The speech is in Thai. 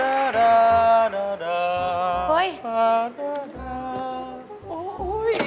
โอ๊ยโอ๊ยโอ๊ยโอ๊ยโอ๊ย